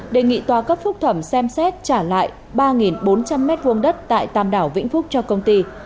đề nghị tòa cấp phúc thẩm xem xét trả lại ba bốn trăm linh m hai đất tại tàm đảo vĩnh phúc cho công ty